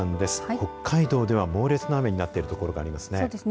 北海道では猛烈な雨になっている所がありますね。